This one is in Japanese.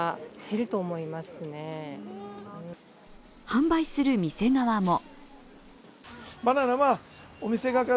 販売する店側も。